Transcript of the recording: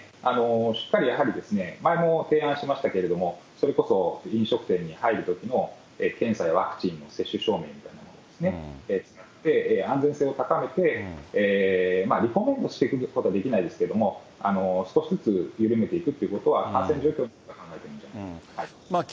しっかりやはり前も提案しましたけれども、それこそ飲食店に入るときの検査やワクチンの接種証明みたいなものを使って、安全性を高めて、リコメンドしていくことはできないんですけども、少しずつ緩めていくということは、感染状況を見て考えていくべきだと思います。